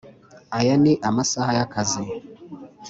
Aya ni Amasaha y akazi